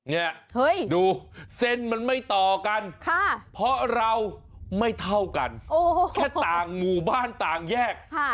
เนี่ยดูเส้นมันไม่ต่อกันเพราะเราไม่เท่ากันแค่ต่างหมู่บ้านต่างแยก